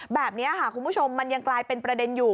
แบบนี้ค่ะคุณผู้ชมมันยังกลายเป็นประเด็นอยู่